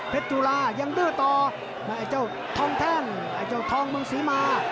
จุฬายังดื้อต่อไอ้เจ้าทองแท่งไอ้เจ้าทองเมืองศรีมา